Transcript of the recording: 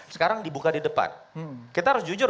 sekarang dibuka di depan kita harus jujur